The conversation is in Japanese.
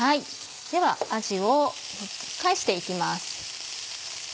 ではあじを返して行きます。